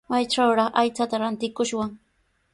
¿Maytrawraq aychata rantikushwan?